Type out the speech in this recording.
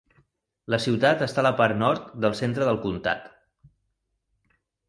La ciutat està a la part nord del centre del comtat.